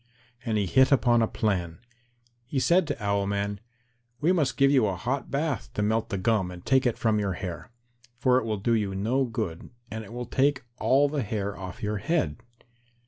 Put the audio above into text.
And he hit upon a plan. He said to Owl man, "We must give you a hot bath to melt the gum and take it from your hair, for it will do you no good, and it will take all the hair off your head."